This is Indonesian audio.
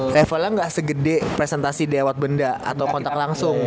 levelnya gak segede presentasi lewat benda atau kontak langsung